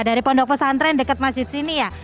dari pondok pesantren dekat masjid sini ya